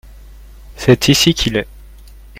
C'est ici qu'il est.